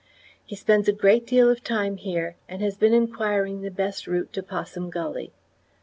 He spends a great deal of time here, and has been inquiring the best route to Possum Gully.